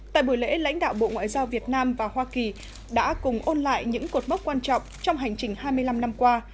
tại buổi lễ lãnh đạo bộ ngoại giao việt nam và hoa kỳ đã cùng ôn lại những cột mốc quan trọng trong hành trình hai mươi năm năm qua